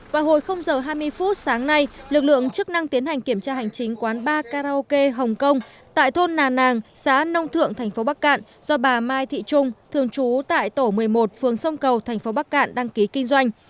vào hồi giờ hai mươi phút sáng nay lực lượng chức năng tiến hành kiểm tra hành chính quán bar karaoke hồng kông tại thôn nà nàng xã nông thượng tp bắc cạn do bà mai thị trung thường trú tại tổ một mươi một phường sông cầu thành phố bắc cạn đăng ký kinh doanh